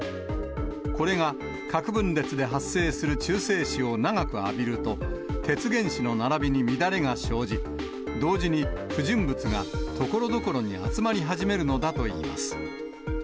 これが核分裂で発生する中性子を長く浴びると、鉄原子の並びに乱れが生じ、同時に不純物がところどころに集まり始めるのだといいます。